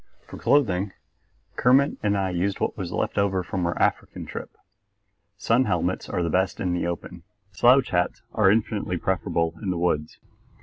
For clothing Kermit and I used what was left over from our African trip. Sun helmets are best in the open; slouch hats are infinitely preferable in the woods.